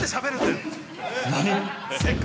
何！？